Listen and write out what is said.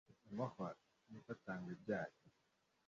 amahwa n’imifatangwe byayo.